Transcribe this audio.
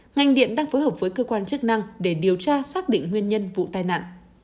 ngành điện đang phối hợp với cơ quan chức năng để điều tra xác định nguyên nhân vụ tai nạn